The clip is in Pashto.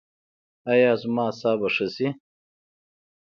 ایا زما اعصاب به ښه شي؟